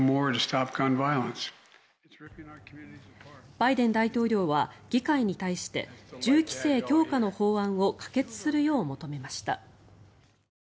バイデン大統領は議会に対して銃規制強化の法案を可決するよう求めました。